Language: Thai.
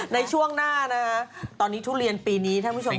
ในช่วงหน้านะฮะตอนนี้ทุเรียนปีนี้ท่านผู้ชม